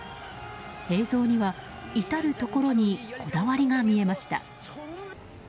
映像には至るところにこだわりが見えました。